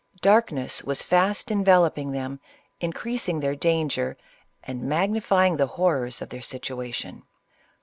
Darkness was fast enveloping tham, in creasing their danger and magnifying the horrors of their situation.